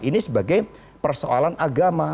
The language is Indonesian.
ini sebagai persoalan agama